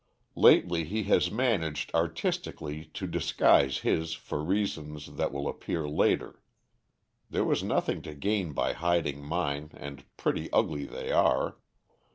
Lately he has managed artistically to disguise his for reasons that will appear later. There was nothing to gain by hiding mine and pretty ugly they are.